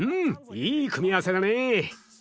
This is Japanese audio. いい組み合わせだね。